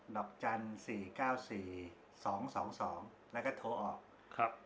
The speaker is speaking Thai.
ดอกจันทร์๔๙๔๒๒แล้วก็โทรออกครับ